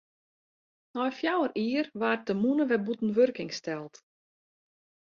Nei fjouwer jier waard de mûne wer bûten wurking steld.